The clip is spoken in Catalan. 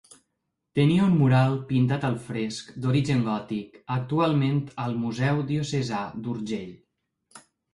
Tenia un mural pintat al fresc, d'origen gòtic, actualment al Museu Diocesà d'Urgell.